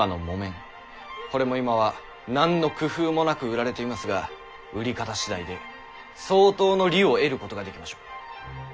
これも今は何の工夫もなく売られていますが売り方次第で相当の利を得ることができましょう。